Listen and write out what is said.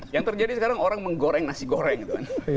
yang terjadi sekarang orang menggoreng nasi goreng gitu kan